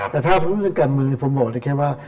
แต่ถ้าเรื่องการเมืองผมบอกได้แค่ว่า